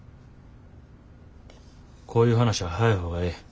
こういう話は早い方がええ。